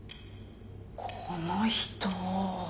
この人！